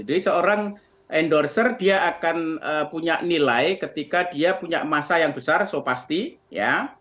jadi seorang endorser dia akan punya nilai ketika dia punya masa yang besar so pasti ya